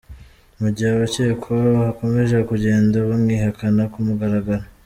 Mu gihe abacyekwa bakomeje kujyenda bamwihakana kumugaragaro .